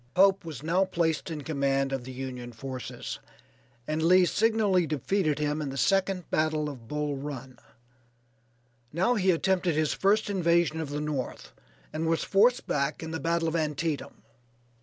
Pope was now placed in command of the Union forces, and Lee signally defeated him in the second battle of Bull Run. Now he attempted his first invasion of the North, and was forced back in the battle of Antietam.